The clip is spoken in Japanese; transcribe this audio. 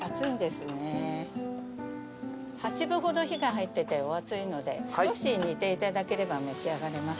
８分ほど火が入っててお熱いので少し煮ていただければ召し上がれます。